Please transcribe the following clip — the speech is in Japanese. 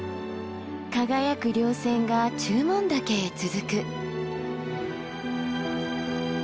輝く稜線が中門岳へ続く。